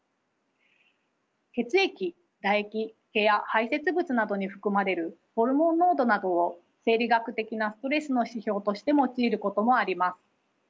血液唾液毛や排せつ物などに含まれるホルモン濃度などを生理学的なストレスの指標として用いることもあります。